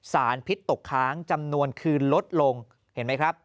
สารพิษตกค้างจำนวนคืนลดลงเห็นไหมครับ